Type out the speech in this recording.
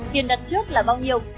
tiền đặt trước là bao nhiêu